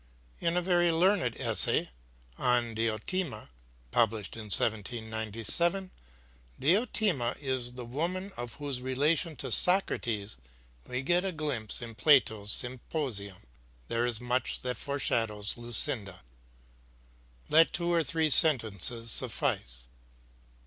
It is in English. In a very learned essay On Diotima, published in 1797 Diotima is the woman of whose relation to Socrates we get a glimpse in Plato's Symposium there is much that foreshadows Lucinda. Let two or three sentences suffice.